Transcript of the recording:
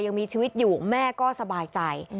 ยังมีชีวิตอยู่แม่ก็สบายใจ